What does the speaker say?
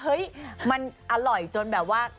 เฮ้ยมันอร่อยจนแบบว่า